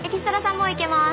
もういけます。